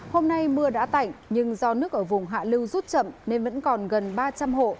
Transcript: hôm nay mưa đã tạnh nhưng do nước ở vùng hạ lưu rút chậm nên vẫn còn gần ba trăm linh hộ